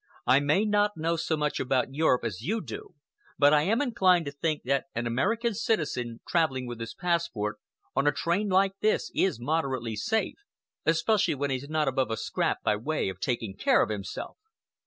I may not know so much about Europe as you do, but I am inclined to think that an American citizen traveling with his passport on a train like this is moderately safe, especially when he's not above a scrap by way of taking care of himself."